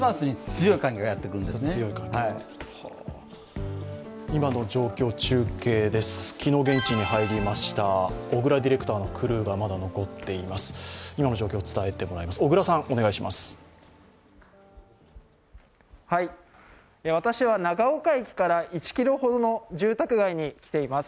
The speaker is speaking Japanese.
今の状況を伝えてもらいます。